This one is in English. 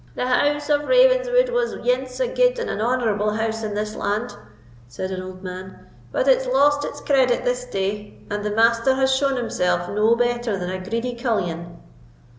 "The house of Ravenswood was ance a gude and an honourable house in this land," said an old man; "but it's lost its credit this day, and the Master has shown himself no better than a greedy cullion."